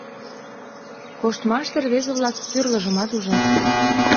Коштмаште, рвезе-влак, тӱрлыжымат ужат.